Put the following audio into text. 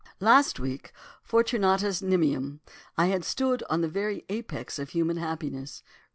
"Last week, fortunatus nimium, I had stood on the very apex of human happiness.